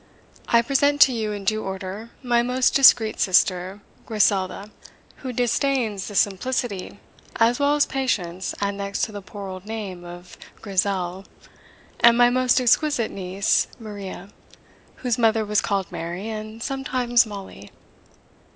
I present to you in due order, my most discreet sister Griselda, who disdains the simplicity, as well as patience annexed to the poor old name of Grizzel; and my most exquisite niece Maria, whose mother was called Mary, and sometimes Molly."